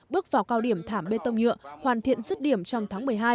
bước vào cao điểm thảm bê tông nhựa hoàn thiện sức điểm trong tháng một mươi hai